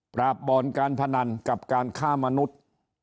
ปราบบรรการพนันกับการฆ่ามนุษย์